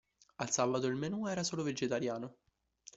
Al sabato il menù era solo vegetariano.